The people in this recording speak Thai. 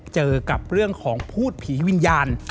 เจอกับเรื่องของพูดผีวิญญาณ